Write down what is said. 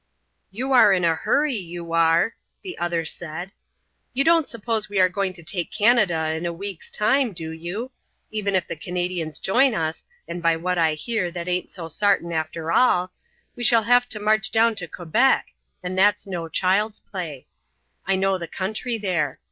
"You are in a hurry, you are," the other said. "You don't suppose we are going to take Canada in a week's time, do you. Even if the Canadians join us, and by what I hear that aint so sartin after all, we shall have to march down to Quebec, and that's no child's play. I know the country there.